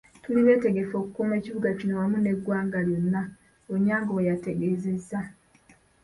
"Tuli beetegefu okukuuma ekibuga kino wamu n'eggwanga lyonna," Onyango bweyategeezezza.